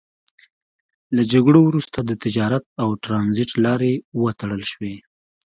له جګړو وروسته د تجارت او ترانزیت لارې وتړل شوې.